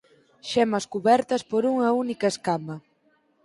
Xemas cubertas por unha única escama.